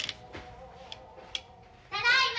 ただいま。